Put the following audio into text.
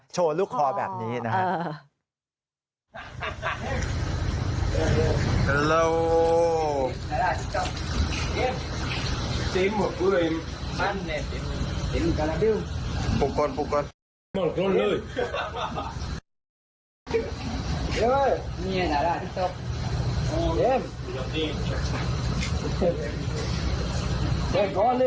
โชว์รุกคอแบบนี้นะฮะ